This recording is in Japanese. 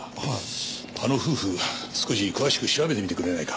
あの夫婦少し詳しく調べてみてくれないか？